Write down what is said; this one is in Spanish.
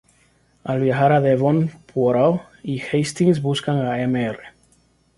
Al viajar a Devon, Poirot y Hastings buscan a Mr.